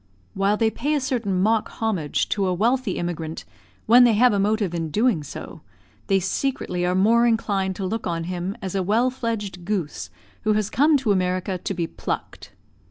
While they pay a certain mock homage to a wealthy immigrant, when they have a motive in doing so, they secretly are more inclined to look on him as a well fledged goose who has come to America to be plucked.